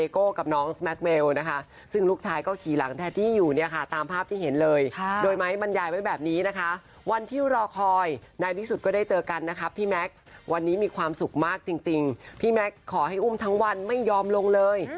วันนี้เราจะกอดกันให้หายคิดถึงกันไปเลย